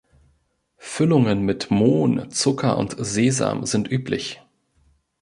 Füllungen mit Mohn, Zucker und Sesam sind üblich.